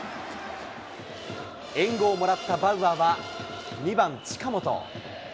援護をもらったバウアーは、２番近本。